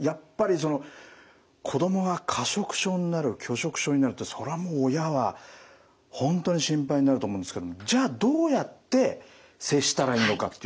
やっぱりその子供が過食症になる拒食症になるってそれはもう親は本当に心配になると思うんですけどじゃあどうやって接したらいいのかっていうところですね。